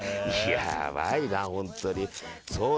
やばいな、本当に。